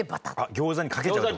餃子にかけちゃうって事？